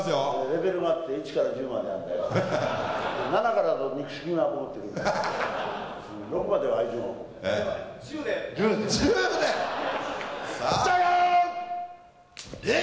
レベルがあって１から１０まであんだよ。